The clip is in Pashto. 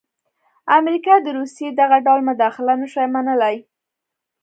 امریکا د روسیې دغه ډول مداخله نه شوای منلای.